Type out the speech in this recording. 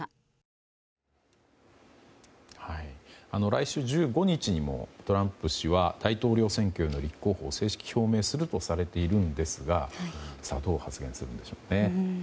来週１５日にもトランプ氏は大統領選挙への立候補を正式に表明するとされているんですがどう発言するんでしょうか。